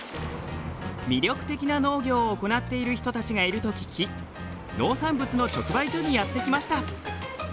魅力的な農業を行っている人たちがいると聞き農産物の直売所にやって来ました。